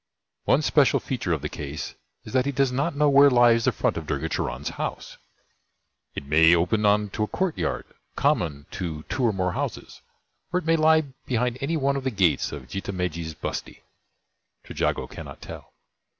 One special feature of the case is that he does not know where lies the front of Durga Charan's house. It may open on to a courtyard common to two or more houses, or it may lie behind any one of the gates of Jitha Megji's bustee. Trejago cannot tell.